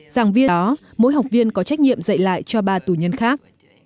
giảng viên đó mỗi học viên có trách nhiệm dạy lại cho ba tù nhân khác